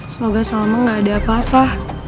semoga salma gak ada apa apa